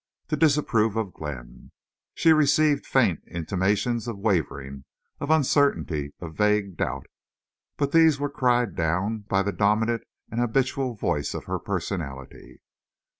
To disapprove of Glenn! She received faint intimations of wavering, of uncertainty, of vague doubt. But these were cried down by the dominant and habitable voice of her personality.